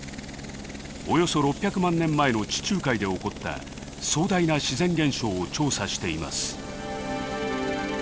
およそ６００万年前の地中海で起こった壮大な自然現象を調査しています。